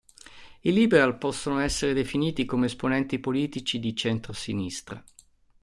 I liberal possono essere definiti come esponenti politici di centro-sinistra.